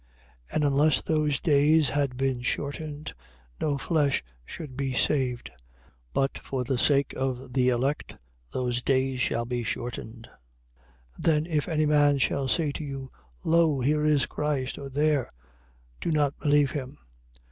24:22. And unless those days had been shortened, no flesh should be saved: but for the sake of the elect those days shall be shortened. 24:23. Then if any man shall say to you, Lo here is Christ, or there: do not believe him.